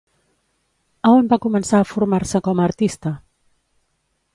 A on va començar a formar-se com a artista?